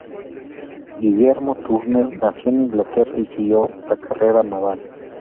Guillermo Turner nació en Inglaterra y siguió la carrera naval.